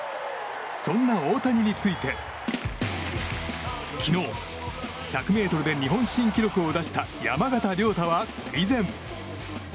そんな大谷について昨日、１００ｍで日本新記録を出した山縣亮太は以前。